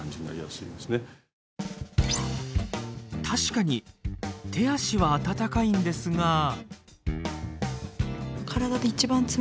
確かに手足は温かいんですが。